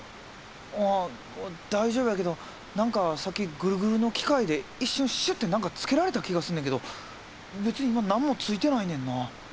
うん大丈夫やけど何かさっきグルグルの機械で一瞬シュッて何かつけられた気がすんねんけど別に何もついてないねんな。